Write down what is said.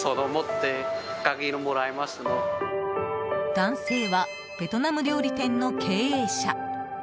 男性はベトナム料理店の経営者。